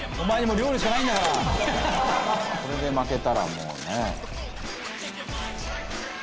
「これで負けたらもうね」